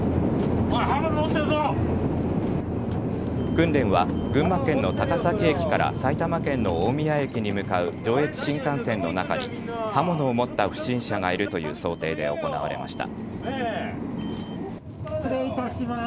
訓練は群馬県の高崎駅から埼玉県の大宮駅に向かう上越新幹線の中に刃物を持った不審者がいるという想定で行われました。